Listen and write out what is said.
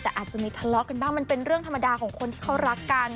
แต่อาจจะมีทะเลาะกันบ้างมันเป็นเรื่องธรรมดาของคนที่เขารักกัน